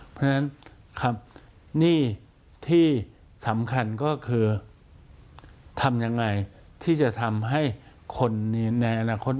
เพราะฉะนั้นครับหนี้ที่สำคัญก็คือทำยังไงที่จะทำให้คนในอนาคต